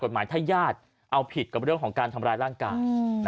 หมายถ้าญาติเอาผิดกับเรื่องของการทำร้ายร่างกาย